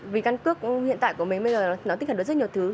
vì căn cước hiện tại của mình bây giờ nó tích hợp được rất nhiều thứ